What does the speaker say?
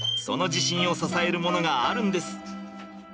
その自信を支えるものがあるんです。